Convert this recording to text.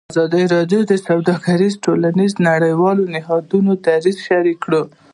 ازادي راډیو د سوداګریز تړونونه د نړیوالو نهادونو دریځ شریک کړی.